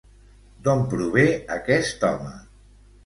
D'on prové aquest home?